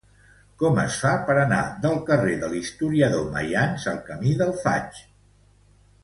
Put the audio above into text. Com es fa per anar del carrer de l'Historiador Maians al camí del Faig?